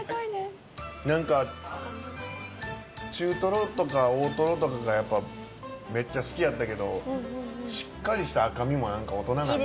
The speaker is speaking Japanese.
なんか中トロとか大トロとかがやっぱめっちゃ好きやったけどしっかりした赤身もなんか大人になったら。